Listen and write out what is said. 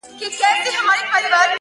عجب راگوري د خوني سترگو څه خون راباسـي؛